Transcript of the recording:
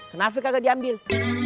kenafik agak diambil